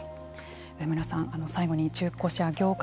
植村さん、最後に中古車業界